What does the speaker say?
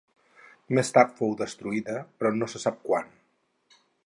Més tard fou destruïda però no se sap quant.